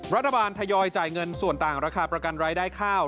รัฐบาลทยอยจ่ายเงินส่วนต่างราคาประกันรายได้ข้าว